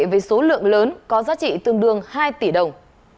với số lượng lớn có giá trị tương đương hai tỷ đồng